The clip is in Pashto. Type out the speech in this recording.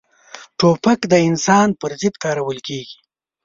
توپک د انسان پر ضد کارول کېږي.